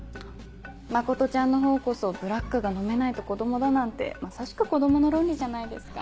真ちゃんのほうこそブラックが飲めないと子供だなんてまさしく子供の論理じゃないですか。